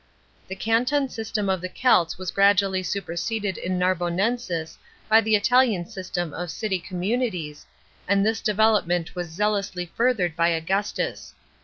The canton system of the Celts was gradually super sede! in Narbonensis by ttie Italian system of city communities, and this development was zealously furthered by Augustus.